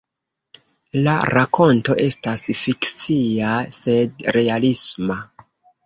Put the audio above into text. La rakonto estas fikcia, sed realisma.